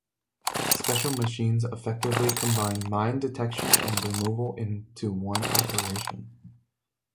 Special machines effectively combine mine detection and removal into one operation.